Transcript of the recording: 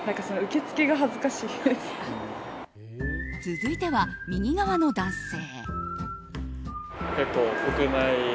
続いては、右側の男性。